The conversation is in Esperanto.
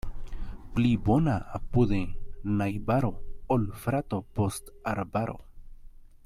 Pli bona apude najbaro, ol frato post arbaro.